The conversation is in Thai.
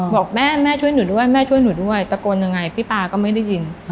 บอกแม่แม่ช่วยหนูด้วยแม่ช่วยหนูด้วยตะโกนยังไงพี่ป๊าก็ไม่ได้ยิน